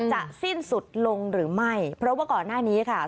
สิ้นสุดลงหรือไม่เพราะว่าก่อนหน้านี้ค่ะ